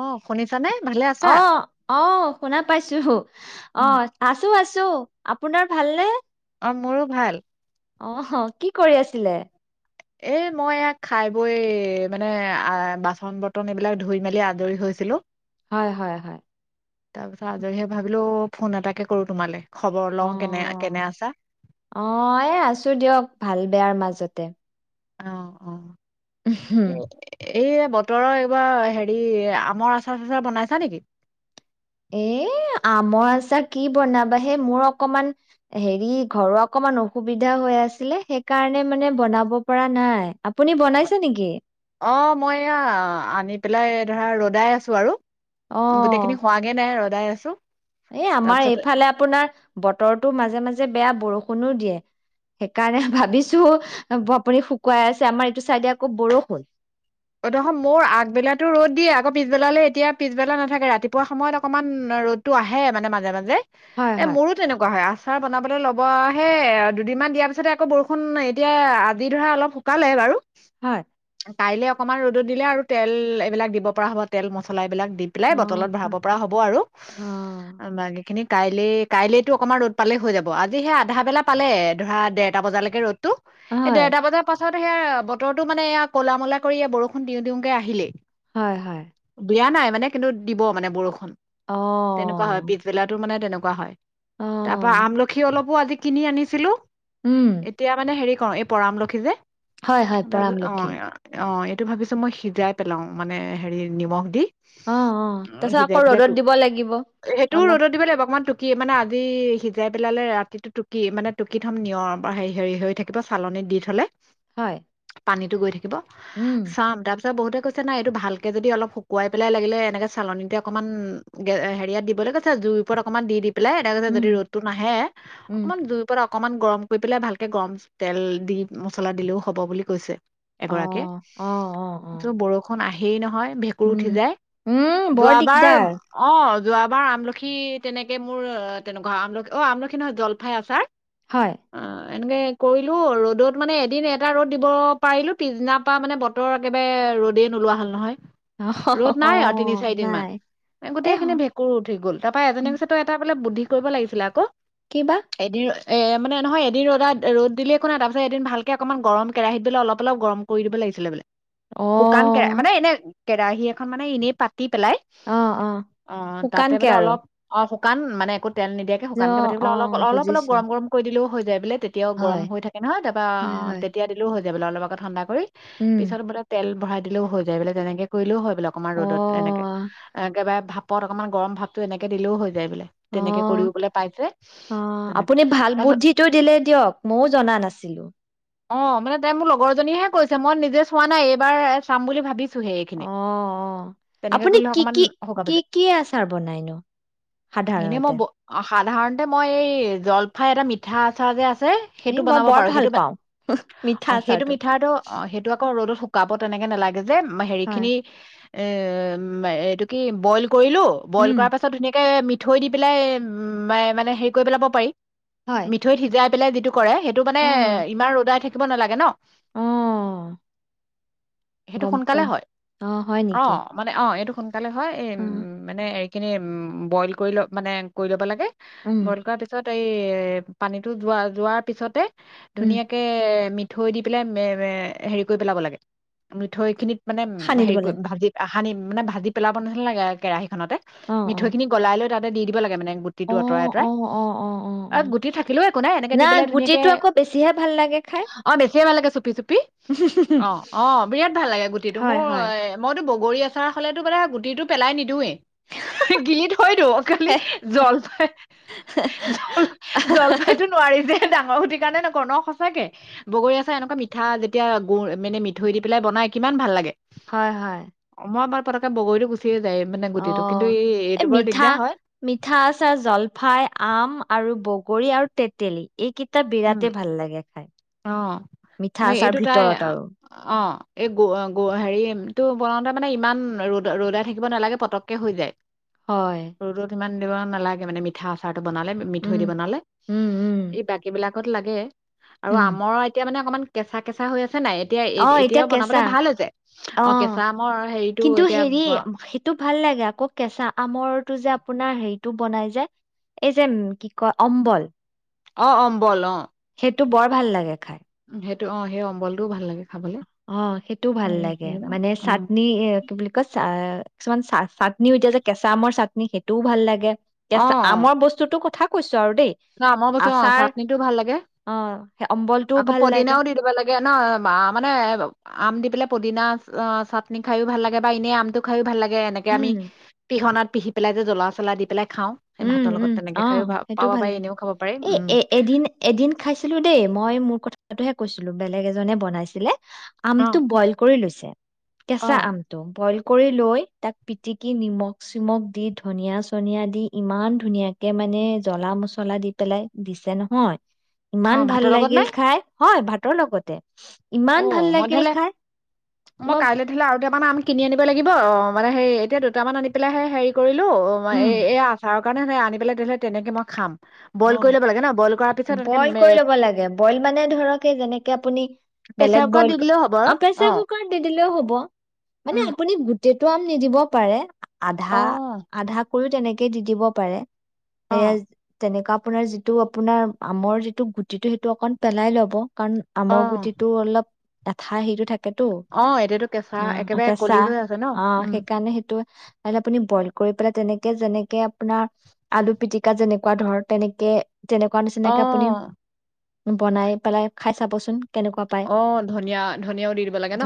অহ্। অ, অ, শুনা পাইছো। অ উম আছো আছো। ছোঁ আপোনাৰ ভালনে? অ মোৰো ভাল। আহ, কি কৰি আছিলে? এ মই ইয়া খাই বৈ মানে বাচন বৰ্তন এইবিলাক ধুই মেলি আজৰি হৈছিলো। হয় হয় হয়। তাৰপিছত আজৰি হৈ ভাবিলো ফোন এটাকে কৰো তোমালে। খবৰ অ, লওঁ কেনে কেনে আছা? অ এ আছো দিয়ক, ভাল বেয়াৰ মাজত জতে। অ অ। হম। এ- এই বতৰৰ এইবাৰ হেৰি আমৰ আচাৰ চচাৰ বনাইছা নেকি? এ আমৰ আচাৰ কি বনাবা হে, মোৰ অকমান হেৰি ঘৰৰ অকমান অসুবিধা হৈ আছিলে সেইকাৰণে মানে বনাব পৰা নাই। আপুনি বনাইছে নেকি? অ মই এয়া, আনি পেলাই ধৰা ৰ'দাই আছো আৰু। গোটেই খিনি হোৱাগে নাই আৰু। দাই আছো। এ আমাৰ তাৰপিছত এইফালে আপোনাৰ বতৰটো মাজে মাজে বেয়া বৰষুণো দিয়ে। সেইকাৰণে ভাবিছো, আপুনি শুকুৱাই আছে আমাৰ এইটো চাইডে আকৌ বৰষুণ। অ দেখ, মোৰ আগবেলাটো ৰ'দ দিয়ে আকৌ পিছবেলালৈ এতিয়া পিছবেলা নাথাকে ৰাতিপুৱা সময়ত অকমান ৰ'দতটো আহে মানে মাজে মাজে। হয় এ হয় মোৰো তেনেকুৱা হয়। আচাৰ বনাবলে লব অ', সেই দুদিনমান দিয়াৰ পিছতে আকৌ বৰষুণ এতিয়া আজি ধৰা অলপ শুকালে বাৰু হয়। কাইলৈ অকণমান ৰ'দত দিলে আৰু তেল এইবিলাক দিব পৰা হ'ব তেল মছলা এইবিলাক। পেলাই অ বত ভ পৰা হ'ব আৰু অ খ কাইলে কাইলেতো অকণমান ৰ'দ পালেই হৈ যাব আজি সেই আধা বেলা পালে ধৰা দেৰটা বজালৈকে ৰ'দ। এ, হয় দেৰটা বজাৰ পাছত। সেয়া বতৰৰত মানেয়া কলা কৰি ইয় বৰষুণ দিওঁ দিওঁকে আহিলে হয়, হয়। মানে কিন্তু দিব মে বৰষুণ অ তেনেকুৱা হয় পিছবেলা মানে তেনেকুৱা হয়। অ তাৰপা আমলখিও অলপ আদি কিনি আনিছিলো। উম এতিয়া মানে হেৰি ক' এই পৰামলখি যে হয়, হয় পৰাম তাৰপিছত অ লক্ষী অ', এইটো ভাবিছোঁ মই সিজাই পেলাওঁ মানে হেৰি নিমখ দি। অ অ', তাৰপিছত আকৌ সিজাই পেলাই ৰ'দত দিব লাগিব সেইটো অলপ ৰ'দত দিব ল' অকমান টুকি মানে আজি সি সিজাই পেলালে ৰাতিটো টুকি মানে টুকি থম নিয় হেৰি হৈ থাকিব চালনী দি থ'লে হয়। পানীটো গৈ থাকিব। উম চাম দাব বহুতে কৈছে নাই এইটো ভালকে যদি অলপ শুকুৱাই পেলাই লাগিলে এনেকে চালনতে অকমান হেৰিয়াত দিবলৈ কৈছে জুই ওপৰত অকনমান দি পেলাই এনে কছে উম যদি ৰ'দতো নাহে উম অকনমান দুই অকণমান গৰম কৰি পেলাই ভালকে গৰম তেল দি মছলা দিলেও হ'ব বুলি কৈছে। অ এগৰাকী অ অ অ বৰষুণ আহে হে নহয়। ভেঁকুৰ উম উঠি যায় উম বৰ যোৱাবাৰ দিগদাৰ অ'। যোৱাবাৰ আমলখি তেনেকে মোৰ তেনেকুৱা আমলখি অ আমলখি নহয় জলফাই আচাৰ হয়। অ এনেকে কৰিলো ৰ'দত মানে এদিন এটা ৰ'দ দিব পাৰিলো পিছদিনা ত' পৰা মানে বতৰ একেবাৰে ৰ'দেই নোলোৱা হ'ল নহয়। ৰ'দ অ নাই আৰু তিনি চাৰি দিন মান নাই এ গোটেই খিনি হ- ভেঁকুৰ উঠি গ'ল তাৰাপৰা এজী কৈছে তই এটা বোলে বুদ্ধি। কৰিব লাগিছিলে আকৌ কিবা এদিঅয় এ মানে নহয় এদি ৰদাত ৰ'দ দিলে একো নাই তাৰপিছত এদিন ভালকে অকমান গৰম কেৰাহীত দিলে অলপ অলপ গৰম কৰি দিব লাগিছিলে বোলে অ শুকান কে মানে এনে কেৰাহী এখন মানে এনেই পাত দি পেলাই অ অ উমহ অ তাতে শুকানকে বোলে আৰু অলপ অস কান মানে একোট তেল নিদিয়াকে যে, অ শুকানকে পাতিলে অ বুলে অলপ অপ অলপ বুজিছো গৰম গৰম কৰি দিলেও হৈ য টেবলেট তেতিয়াও গৰম হয় হৈ থাকে না তাৰপৰা হয় অ হয় তেতিয়া দিলেও হয় যা দে বোলে অলপ আকো ঠাণ্ডাক পৰি উম পিছত বোলে তেল ভৰাই দিলেও হৈ যায় বোলে তেনেকে কৰিলেও হয় বোলে অকমান অ ৰ'দত এনেকে এ একেবাৰে ভাপ পৰত অকণমান গৰম ভাৱটো এনেকে দিলেও হৈ যা অ অ তেনেকে আপুনি ভাল তাৰপিছত বুদ্ধিটো দিলে দিয়ক মইও জনা নাছিলো অ মানে তাই মোৰ লগৰজনীয়েহে কৈছে মই নিজে চোৱা নাই এইবাৰ চাম বুলি ভাবিছো অ অ আপুনি কৰিলে কি কি অকণমান কি কি আচাৰ বনাইনো এনেই মই সাধাৰণতে ব- অ, সাধাৰণতে মই এই জলফাই এটা মিঠা আচাৰ যে আছে চেই এই সেইটো মই বনাব বৰ পাৰো ভাল সেইটো বা পাওঁ মিঠা অ সেইটো আচাৰটো মিঠাটো অ সেইটো আকৌ ৰ'দত শুকাব তেনেকে নেলাগে যে মেহেৰি হয় খিনি এ মে এইটো কি বইল কৰিলো বইল উম কৰাৰ পাছত ধুনীয়াকে মিট থৈ দি পেলাই মায়ে মানে হেৰি কৰি পেলাব পাৰি হয় মিঠৈত সিজাইব পেলাই দিটোক কৰে সেইটো মানে অ এ আই উদাই থাকিব নেলাগে ন অ সেইটো গম সোনকালে পান হয় অ হয় অ নেকি মানে অ এইটো তালে হয় এ এম অ মানে এক খিনি বইল কৰি ল মানে কৰি ল'ব লাগে। উম বইল কৰ পিছত এই এই পানীতো যোৱা যোৱাৰ পিছতে উম ধুনীয়াকে মিত। মি থৈ দি পেলাই হেৰি কৰি পেলাব লাগে মিঠৈখিনি। মানে সানি দিব হেৰি কৰি লাগে ভাজিআহ। সানি মানে ভাজি পেলাব নহলোগে কেৰাহীত থানতে অ অ মিঠৈ খিনি গলাই লৈ তা দি দিব লাগে মানে গুটিটো অ আঁতৰাই অ আতৰাই অ অ অ অ আৰু গুটি থাকিলোও একো নাই এনেকে দি পেলাই ধুনীয়াকে যিহে ভাল লাগে খাই কেবালেকে চুপিছো বি অ' অ' বিৰাট ভাল লাগে গুটিটো হয়, মোৰ হয়। মইতো ব বগৰী আচাৰ হ'লেতো মানে গুটিটো পেলাই নিদিওৱেই। গিলি থৈ দিওঁ। খালি হেহ। জলফাই জল জলফাইতো নোৱাৰি যে। ডাঙৰ গুটি কাৰণে ন অ ন সচাকে বগৰী আচাৰ এনেকুৱা মিঠা যেতিয়া গুৰ মানে মিঠৈ দি পেলাই বনাই কিমান ভাল লাগে। হয় হয়। পটককে বগৰীটো গুচিয়ে যায়। মানে অ গুটিটো কিন্তু এইটো এই বৰ মিঠা দিগদাৰ হয় মিঠা আচাৰ জলফাই আম আৰু ব গৰী আৰু তেতেলী এইকেইটা উম বিৰাটে ভাল লাগে খাই। অ মানে মিঠা আচাৰ এইটো তাই ভিতৰত আৰু অ এই গ আ গ হেৰি টো বনাওঁতে মানে ইমান ৰদ ৰ'দাই থাকিব নালাগে পটককে হৈ যায়। হয়। ৰ'দত ইমান দিব নালাগে মানে মিঠা আচাৰ। বনালে মিঠৈ উম, দি বনালে উম, উম, এই বা দাকত লাগে আৰু উম। আমৰ এতিয়া মানে অকমান কেঁচা কেঁচা হৈ আছে। নাই এতিয়া অ এ- এতিয়া এতিয়াও বনাবলে কেঁচা ভাল হৈছে অ কেঁচা আমৰ হেৰিটো কিন্তু এতিয়া হেৰি ব- সেইটো ভাল লাগে আকৌ কেঁচা আমৰটো যে আঁ আপোনাৰ হেৰিটো বনাই যে এই যে কি কয় অম্বল। অ অম্বল অ সেইটো বৰ ভাল লাগে খাই সেইটো অ সেই অম্বলটোও ভাল লাগে। খাবলে অ সেইটোও ভাল এই লাগে সেইকেইটা, মানে অ চাটনি এ কি বুলি কয় চা কিছুমান চা চাটনিও এতিয়া যে কেঁচা আমৰ চাটনি সেইটোও ভাল লাগে কেঁচা আমৰ বস্তুতোৰ কথা কৈছো আৰু দেই অ অমৰ বস্তু অ আচাৰ চাটনিটো ভাল লাগে অ', সেই অম্বলটোও আকৌ ভাল লাগে পদিনাও দি দিব লাগে ন আমানে আম দি পেলাই পদিনা চাটনি খায়ো ভাল লাগে বা ইনে আমটো খায়ো ভাল লাগে। এনেকে আমি উম, পিহনাত পিহি পেলাই যে জলা চলা দি পেলাই খাওঁ সেই উম, ভাতৰ লগত উম, তেনেকে অ', খাইও ভা সেইটো পাওঁ এ এদিন এদিন খাইছিলো দেই মই মোৰ কথা [unintelligible] তোহে কৈছিলো বেলেগ এজনে বনাইছিলে অ আমটো বইল কৰি লৈছো। অ অ কেচা আমটো বইল। কৰি লৈ তাক পিটিকি নিমখ চিমখ দি ধনিয়া চনিয়া দি ইমান ধুনীয়াকে মানে জ্বলা মছলা দি পেলাই দিছে নহয়। অ ইমান ভাল ভাতৰ লগত নে লাগিল খাই হয় ভাত। ভাতৰ লগতে ইমান ভাল অ' মই লাগিল ধৰিলে খাই মই কাইলৈ ধৰিলে আৰু দুটামান আম কিনি আনিব লাগিব অ মানে হে এতিয়া দুটামান আনি পেলাইহে হেৰি কৰি লো অই উম এই এই আচাৰ স কাৰণে আনি পেল তেতিয়াহলে তেনেকে মই খাম। বইল অ কৰি ল'ব লাগে ন বইল কৰাৰ পিছত এনেকে বইল কৰি ল'ব লাগে বইল মানে ধৰক এই যেনেকে আপুনি প্ৰেছাৰ বেলেগ কুকাৰত বইল দি দিলেও হ'ব আৰু প্ৰেচাৰ অ' কুকাৰত দি দিলেও হ'ব মানে উম আপুনি গ সেইটো আম নিদিব পাৰে আধা অ' আধা কৰিও তেনেকেই দি দিব পাৰে। সেয়াই অ' আজি তেনেকুৱা আপোনাৰ যিটো আপোনাৰ আমৰ যিটো গুটিটো সেইটো অকন পেলাই ল'ব কাৰণ আমৰ অ' গুটিটো অলপ এঠাই সেইটো থাকে। তাতো অ' এতিয়াতো কেঁচা অহ একেবাৰে এতিয়া কলি হৈ আছে ন চাহ উম সেইকাৰণে সেইটো আপুনি বইল কৰি পেলাই। তেনেকে যেনেকে আপোনাৰ আলু পিটিকা যেনেকে এনেকা ধৰ তেনেকে তেনেকুৱা নিচিনাকে আপুনি অ' বনাই পেলাই খাই চাবচোন কেনেকুৱা পায় অ ধনিয়া ধনিয়াও দি দিব লাগে ন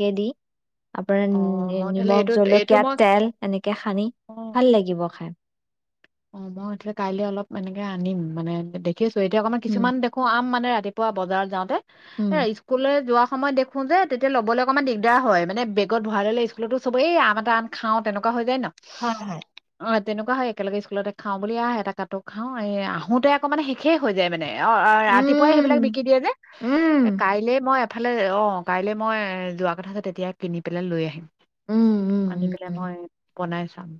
কেদি আপোনাৰ অ' নি মই ধৰিলে নিমখ এইটো এইটো জলকীয়া মই তেল এনেকে সানি অ' ভাল লাগিব খাই অ মই এতিয়া কাইলে অলপ এনেকে আনিম মানে দেখি আছো এতিয়া আকাৰ উম কিছুমান দেখো আম মানে ৰাতিপুৱা বাৰ যাওঁতে উম এ স্কুললে যোৱা সমত দেখোঁ যে তেতিয়া ল'বলৈ অকণমান দিগদাৰ হয় মানে বেগত ভৰাইল'লে স্কুলতো চবেই আম এটা আন খাওঁ তেনেকুৱা হৈ যায় ন হয় হয় তেনেকোৱা‌ হয় এক লাগে স্কুলতে খাওঁ বুলি আহে এটা কাটো খাওঁ এই আহোতে আকৌ মানে শেষেই হৈ যায় মানে অ ৰাতিপুৱাই উম সেইবিলাক বিকি দিয়ে যে উম কাইলে মই ইফালে অ কাইলৈ মই যোৱা কথা যে তেতিয়া কিনি পেলাই লৈ আহিম উম আনি পেলাই মই বনাই চাম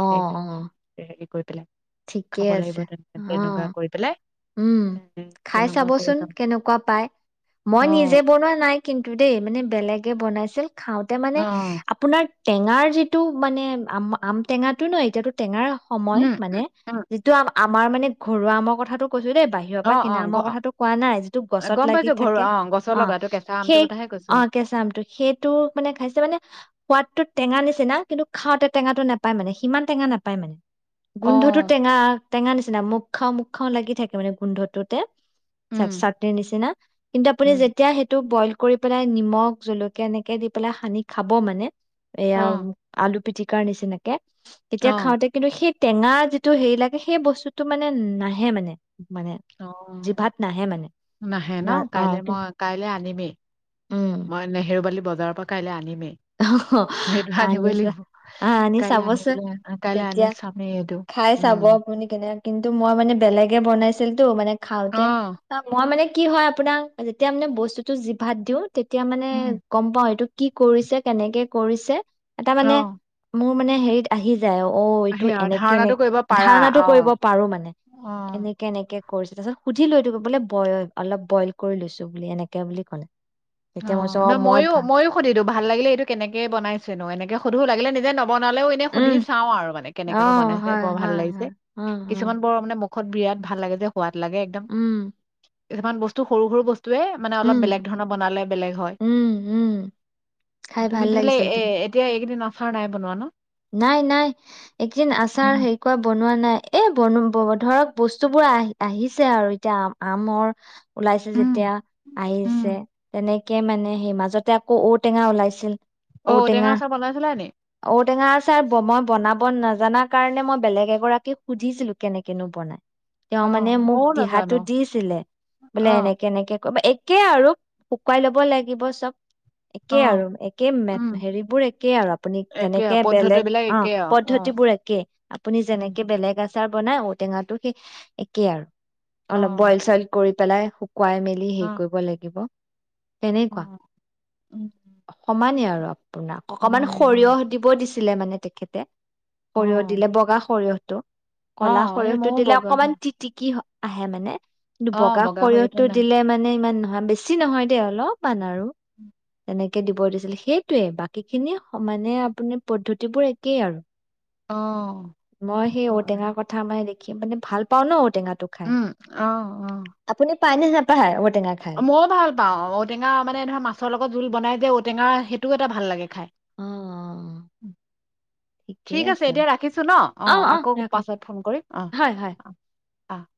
আহ আহ হেৰি কৰি পেলাই খাব লাগিব তেনে তেনেকুৱা কৰি পেলাই উম খাই তেনেকুৱা কৰি চাবচোন যাম। কেনেকুৱা পাই মই নিজে অ', বনোৱা নাই কিন্তু দেই মানে বেলেগ বেলেগে বনাইছিল খাওঁতে মানে অ', আপোনাৰ টেঙাৰ যিটো মানে আম আম টেঙাটো ন এতিয়ো টেঙাৰ সময় উম, মানে উম, উম, যিটো আ আমাৰ মানে ঘৰুৱা আমৰ কথাতটো কৈছো দেই বাহিৰৰ পৰা অ', কিনা অ', গ আমৰ কথাটো কোৱা নাই যিটো গছত গম লাগি পাইছো ঘৰু থাকে গছৰ অ লগাটো কেঁচা আমটোৰ সেই কথাহে কৈছো। অ কেঁচা আমটো সেইটো মানে খাইছে মানে সোৱাদটোত টেঙা নিচিা কিন্তু খাওঁতে টেঙাটো নাপায় মানে সিমান টেঙা নাপায় মানে গোন্ধটো অ', টেঙা টেঙাৰ নিচনা মুখ খাওঁ মুখ‌ খাওঁ লাগি থাকে স মানে গোন্ধটোতে উম, চাট‌ চাটনি নিচিনা কিন্তু আপুনি উম, যেতিয়া সেইটো বইল কৰি পেলাই নিমখ জলকীয়া এনেকে দি পেলাই সানি খাব মানে এয়া অ', আলু পিঠি কণিচিনকে তেতিয়া অ', খাওঁতে কিন্তু সেই টেঙা যিটো হেৰি লাগে সেই বস্তুটো মানে নাহে মানে মানে অ জিভাত নাহে মানে নাহে ন না অ কাইলে কিন্তু মই কাইলে আনিমেই উম মই নেহেৰুবালি বজাৰৰ পৰা কাইলৈ আনিমেই সেইটো আনিবই আনিছ আহ লাগিব আনি কাইলে চাবচোন পেলাই কাইলে আনি তেতিয়া চামেই এইটো খাই চাব উম, আপুনি কেনে কিন্তু মই মানে বেলেগে বনাই আছিলতটো মানে খাওঁতে অ', ত মই মানে কি হয় আপোনাক যেতিয়া মানে বস্তুতটো জিভাত দিও তেতিয়া মানে উম, গম পাও এইটো কি কৰিছে কেনেকে কৰিছে এটা মানে অ', মোৰ মানে হেৰিত আহি য অ এইটো সেয়া এনেকে এনেে ধাৰণাটো কৰিব পাৰা ধাৰণটো কৰিব অ', পাৰো মানে অ'। এনেকে এনেকে কৰিছে তাৰ পিছত সুধি লৈ বোলে বই অলপ বইল কৰি লৈছো বুলি এনেকে বুলি ক'লে অ তেতিয়া মই কৈছো নহ মই ময়ো ভা মইো সুধিলো ভাল লাগিলে এইটো কেনেকে বনাইছে নো এনেকে সুধো লাগিলে নিজে ন বনালেও এনে সুধি উম চাও আৰু মানে অ কেনেকেনো বনাইছে হয় বৰ ভাল হয় লাগিছে হয় অ অ কিছুমান বৰ মানেোক ত বিৰাট ভাল লাগে যে পোৱাত লাগে একদম উম কিছুমান বস্তু সৰু সৰু বস্তু তে মানে অলপ উম বেলেগ ধৰণৰ বনালে উম উম খাই তুমি ভাল তেহলে এ লাগিছিল এতিয়া এইকেইদিন আাাৰ নাই বনোৱা ন নাই নাই একদিন উম আচাৰ হেকা বনোৱা নাই এ বন ধৰক বস্তুবোৰ আহি আহিছে আৰু এতিয়া আম আমৰ ওলাইছে উম যেতিয়া উম আহিছে তেনেকে মানে সেই মাজতে আকৌ ঔটেঙা ওলাইছিল অ ঔটেঙা আচাৰ বনাইছিলে নি টেঙা আচাৰ মই বনাব নাজানাৰ কাৰণে মই বেলেগ এগৰাকীক সুধিছিলো কেনেকেনো বনাই তেওঁ অ' মানে মোক ময়ো নাজানো দিহাো দিছিলে বোলে অ' এনেকে এনেকে ক তিকে আৰু শুকুৱাই লব লাগিব চব একে আৰু অ' একে উম হেৰিবোৰ একে আৰু আপুনি একে যেনেকে আৰু বেলেগ পদ্ধতিবিলাক অ একে আৰু অ' পদ্ধতিবোৰ একে আপুনি উম যেনেকে বেলেগ আচাৰ বনাই ঔটেঙাটো সেই একেই আৰু। অলপ অ' বইল চইল কৰি। পেলাই কুৱাই মেলি হেৰি অ' কৰিব লাগিব। তেনেকুৱা অ' উম সমানেই আৰু। অ', আপোনাক অকমান সমানে অ', সৰিয়হ। কৈ দিছিলে মানে তেখেতে। সৰিয়হ অ', দিলে বগা সৰিয়হ। ত', কলা অ', এই সৰিয়হটো ময়ো দিলে বগা অকমান সৰিয়হ টিটিকি হয়। আহে মানে। অ', বগা সৰিয়হটো সৰিয়হতটো নাই। দিলে মানে ইমান ন অ', বেছি নহয় দে অলপমান আৰু। উম', এনেকে দিব দিছিল সেইটোৱে বাকী খিনি সমানে। আপুনি পদ্ধতিবোৰ একেই আৰু। অহ ', মই সেই ঔটেঙা কথা মাইে দেখ মানে ভাল পাওঁ ন। টেঙাটো খাই উম, অ', আপুনি? পাই নে নাপাই অ ', মইও ভাল পাওঁ ঔটেঙা মানে ধৰ মাছৰ লগত জোল বনাই যে ঔটেঙা সে টো এটা ভাল লাগে।। খাই, অ অ ঠিক আছে এতিয়া ৰাখিছো ন অ', আকৌ পাছত ফোন কৰি অ', হয় হয় - অ',। অহ ',